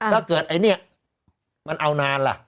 ถ้าเกิดไอ้เนี่ยมันเอานานล่ะ